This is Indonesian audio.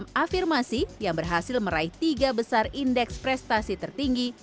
dengan afirmasi yang berhasil meraih tiga besar indeks prestasi tertinggi